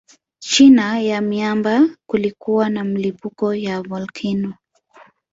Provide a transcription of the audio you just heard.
China ya miamba kulikuwa na milipuko ya volkano